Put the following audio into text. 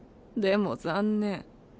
でも残念。